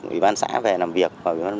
ủy ban xã về làm việc